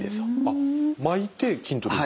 あっ巻いて筋トレですか？